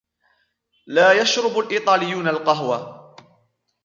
لا يشرب الإيطاليون القهوة.